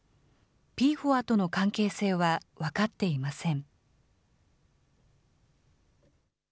ＰＦＯＡとの関係性は分かっていません。